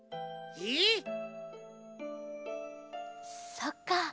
そっか